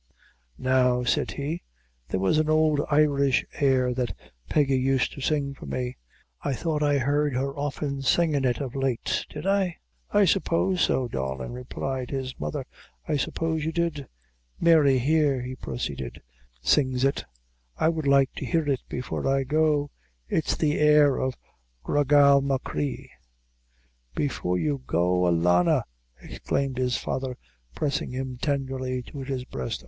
"Now," said he, "there was an ould Irish air that Peggy used to sing for me I thought I heard her often singin' it of late did I?" "I suppose so, darlin'," replied his mother; "I suppose you did." "Mary, here," he proceeded, "sings it; I would like to hear it before I go; it's the air of Gra Gal Machree." "Before you go, alanna!" exclaimed his father, pressing him tenderly to his breast.